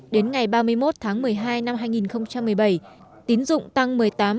đến ngày ba mươi một tháng một mươi hai năm hai nghìn một mươi bảy tiến dụng tăng một mươi tám một mươi bảy